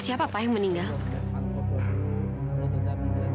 siapa pak yang meninggal